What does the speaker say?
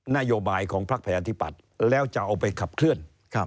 นโยบายของพักประชาธิปัตย์แล้วจะเอาไปขับเคลื่อน